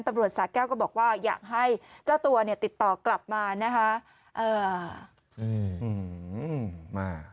สาแก้วก็บอกว่าอยากให้เจ้าตัวเนี่ยติดต่อกลับมานะคะ